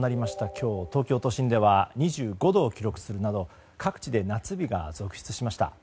今日東京都心では２５度を記録するなど各地で夏日が続出しました。